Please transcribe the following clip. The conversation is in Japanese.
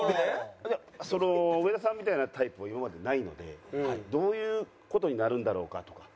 その植田さんみたいなタイプは今までないのでどういう事になるんだろうかとか。